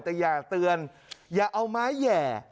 แต่อย่าเตือนอย่าเอาไม้แห่